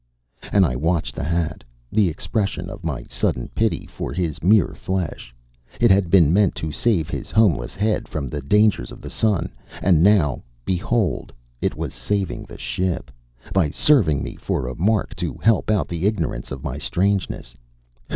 And I watched the hat the expression of my sudden pity for his mere flesh. It had been meant to save his homeless head from the dangers of the sun. And now behold it was saving the ship, by serving me for a mark to help out the ignorance of my strangeness.